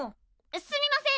すみません